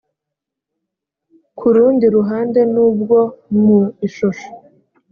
ku rundi ruhande nubwo mu ishusho